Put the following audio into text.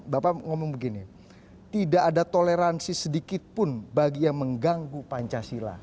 bapak ngomong begini tidak ada toleransi sedikitpun bagi yang mengganggu pancasila